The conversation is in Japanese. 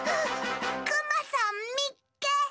クマさんみっけ！